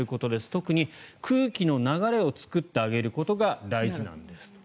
特に空気の流れを作ってあげることが大事なんですと。